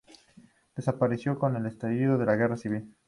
Desapareció con el estallido de la Guerra civil.